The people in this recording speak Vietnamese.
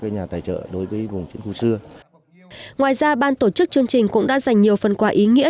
ngoài ra ban tổ chức chương trình cũng đã dành nhiều phần quà ý nghĩa